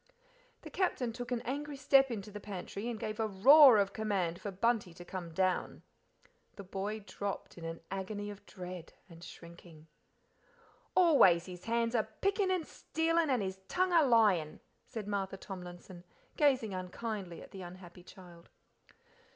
The Captain took an angry step into the pantry and gave a roar of command for Bunty to come down. The boy dropped in an agony of dread and shrinking. "Always his hands a pickin' and stealin' and his tongue a lyin'," said Martha Tomlinson, gazing unkindly at the unhappy child.